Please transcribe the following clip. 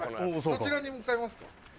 どちらに向かいますか？